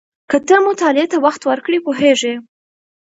که ته مطالعې ته وخت ورکړې پوهېږې.